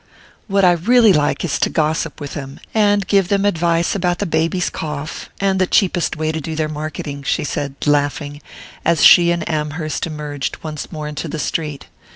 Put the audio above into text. "What I really like is to gossip with them, and give them advice about the baby's cough, and the cheapest way to do their marketing," she said laughing, as she and Amherst emerged once more into the street.